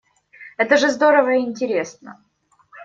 Это же здорово и интересно.